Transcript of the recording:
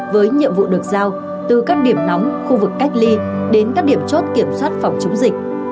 với nhiệm vụ được giao từ các điểm nóng khu vực cách ly đến các điểm chốt kiểm soát phòng chống dịch